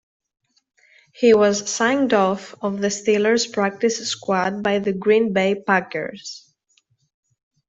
He was signed off of the Steelers' practice squad by the Green Bay Packers.